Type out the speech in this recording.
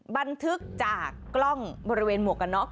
บันทึกจากกล้องบริเวณหมวกกันน็อก